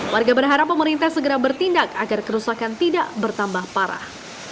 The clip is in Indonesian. warga berharap pemerintah segera bertindak agar kerusakan tidak bertambah parah